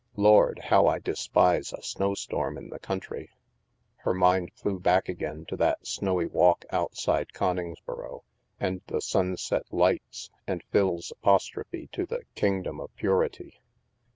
Lord, how I despise a snowstorm in the country !" Her mind flew back again to that snowy walk out side Coningsboro, and the sunset lights, and Phil's apostrophe to the " Kingdom of Purity."